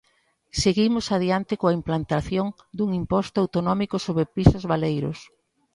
Seguimos adiante coa implantación dun imposto autonómico sobre pisos baleiros.